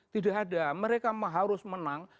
tidak ada mereka harus menang